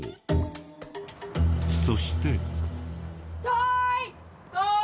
そして。